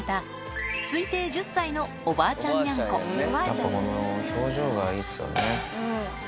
やっぱこの表情がいいっすよね。